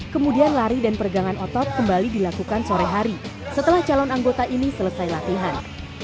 kemudian lari dan peregangan otot kembali dilakukan sore hari setelah calon anggota ini selesai latihan